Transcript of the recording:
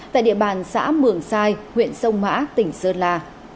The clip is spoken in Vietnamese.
tại địa bàn xã mường sai huyện sông mã tỉnh sơn la